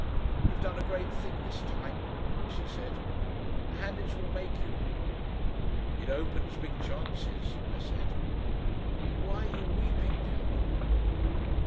"You've done a great thing this time," she said. "Handitch will make you." "It opens big chances," I said. "But why are you weeping, dear one?"